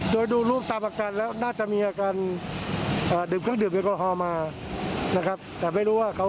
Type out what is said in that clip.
โดยดูรูปตามอาการแล้วน่าจะมีอาการ